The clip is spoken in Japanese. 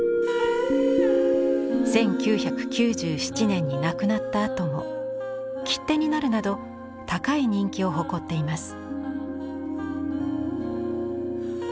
１９９７年に亡くなったあとも切手になるなど高い人気を誇っています。